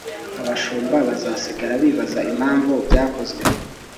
abashumba bazasigara bibaza impamvu byakozwe